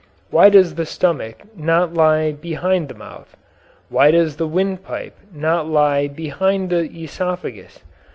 Why does the stomach not lie behind the mouth? Why does the windpipe not lie behind the esophagus?